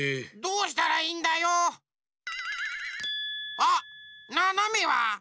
あっななめは？